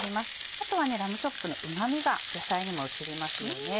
あとはラムチョップのうま味が野菜にも移りますよね。